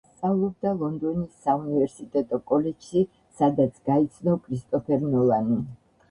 სწავლობდა ლონდონის საუნივერსიტეტო კოლეჯში, სადაც გაიცნო კრისტოფერ ნოლანი.